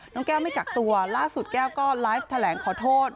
แก้วไม่กักตัวล่าสุดแก้วก็ไลฟ์แถลงขอโทษ